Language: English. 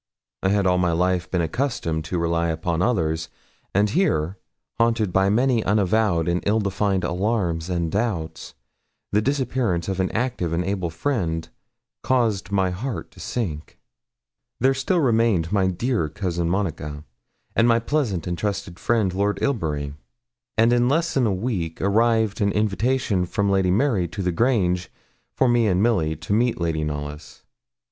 I had all my life been accustomed to rely upon others, and here, haunted by many unavowed and ill defined alarms and doubts, the disappearance of an active and able friend caused my heart to sink. Still there remained my dear Cousin Monica, and my pleasant and trusted friend, Lord Ilbury; and in less than a week arrived an invitation from Lady Mary to the Grange, for me and Milly, to meet Lady Knollys.